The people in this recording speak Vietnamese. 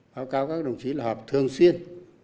báo cáo các đồng chí là họp thường xuyên